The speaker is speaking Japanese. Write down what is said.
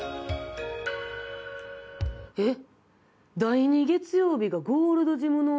えっ！？